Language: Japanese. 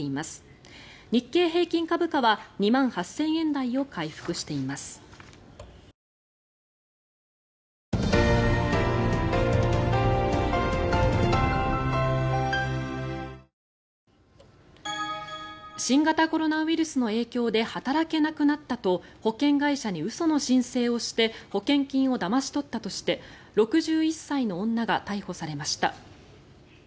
更に別の入所者の男性に去年、暴行したとして新型コロナウイルスの影響で働けなくなったと保険会社に嘘の申請をして保険金をだまし取ったとして６１歳の女が逮捕されました。